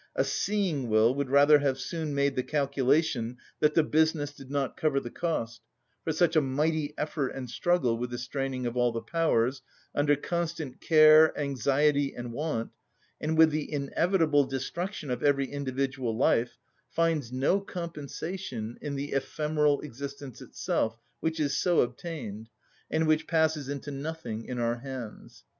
A seeing will would rather have soon made the calculation that the business did not cover the cost, for such a mighty effort and struggle with the straining of all the powers, under constant care, anxiety, and want, and with the inevitable destruction of every individual life, finds no compensation in the ephemeral existence itself, which is so obtained, and which passes into nothing in our hands.